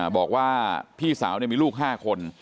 บอกว่าพี่สาวมีลูก๕คน